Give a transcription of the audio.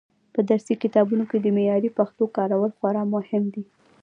په درسي کتابونو کې د معیاري پښتو کارول خورا مهم دي.